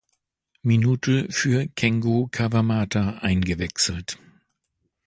Minute für Kengo Kawamata eingewechselt.